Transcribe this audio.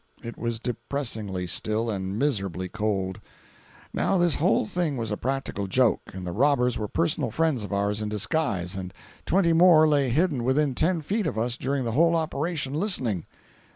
It was depressingly still, and miserably cold. Now this whole thing was a practical joke, and the robbers were personal friends of ours in disguise, and twenty more lay hidden within ten feet of us during the whole operation, listening.